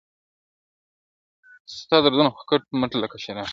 ستا دردونه خو کټ مټ لکه شراب دي.